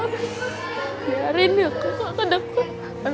biarin ya kadang kadang